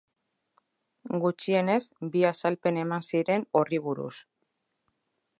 Gutxienez bi azalpen eman ziren horri buruz.